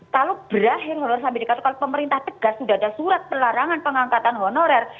kalau berakhir honorer sambil dikatakan kalau pemerintah tegas sudah ada surat pelarangan pengangkatan honorer